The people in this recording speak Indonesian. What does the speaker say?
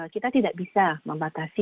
kita tidak bisa membatasi